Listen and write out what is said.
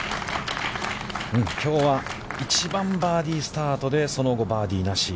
きょうは、１番バーディースタートで、その後バーディーなし。